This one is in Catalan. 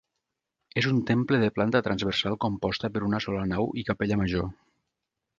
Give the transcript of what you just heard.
És un temple de planta transversal composta per una sola nau i capella major.